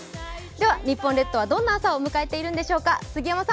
では日本列島はどんな朝を迎えているんでしょうか。